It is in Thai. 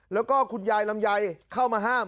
แล้วก็คุณยายลำไยเข้ามาห้าม